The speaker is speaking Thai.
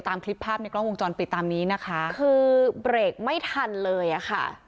ตามคลิปภาพในกล้องวงจรปิดตามนี้นะคะคือเบรกไม่ทันเลยอ่ะค่ะ